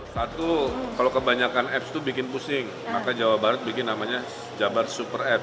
satu kalau kebanyakan apps itu bikin pusing maka jawa barat bikin namanya jabar super app